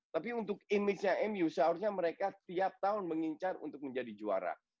tapi untuk image nya mu seharusnya mereka tiap tahun mengincar untuk menjadi juara